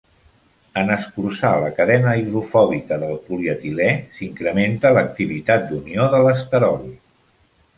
En escurçar la cadena hidrofòbica del polietilè, s'incrementa l'activitat d'unió del esterol.